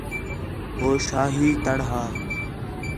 ہو شاہی تَڑ ہا